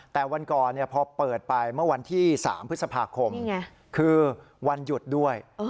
แต่วันก่อนพอเปิดไปเมื่อวันที่๓พฤษภาคมคือวันหยุดด้วย